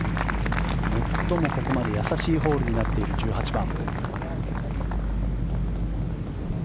最もここまで易しいホールになっている１８番。